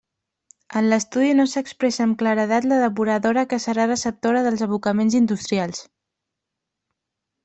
En l'estudi no s'expressa amb claredat la depuradora que serà receptora dels abocaments industrials.